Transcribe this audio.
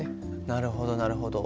なるほどなるほど。